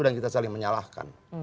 dan kita saling menyalahkan